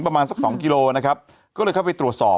ประมาณสักสองกิโลนะครับก็เลยเข้าไปตรวจสอบ